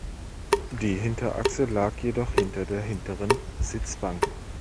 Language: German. Die Hinterachse lag noch hinter der hinteren Sitzbank.